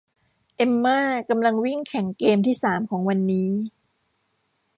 เอมม่ากำลังวิ่งแข่งเกมที่สามของวันนี้